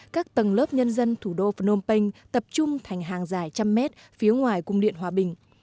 các tầng lớp nhân dân thủ đô phnom penh tập trung thành hàng dài trăm mét phía ngoài cung điện hòa bình